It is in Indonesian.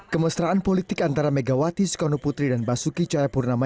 kemesteraan politik antara megawati sekonoputri dan basuki cayapurnama